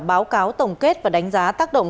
báo cáo tổng kết và đánh giá tác động